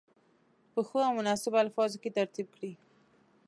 په ښو او مناسبو الفاظو کې ترتیب کړي.